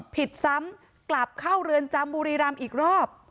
ผิดซ้ำกลับเข้าเรือนจำบุรีรำอีกรอบ